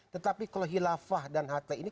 tetapi kalau hilafah dan hatta ini